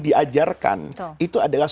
diajarkan itu adalah